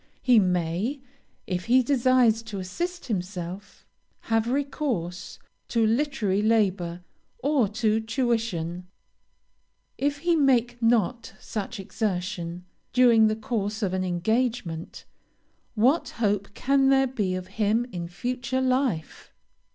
He may, if he desires to assist himself, have recourse to literary labor, or to tuition. If he make not such exertion, during the course of an engagement, what hope can there be of him in future life?